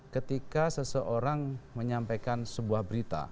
ketika seseorang menyampaikan sebuah berita